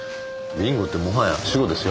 ビンゴってもはや死語ですよ。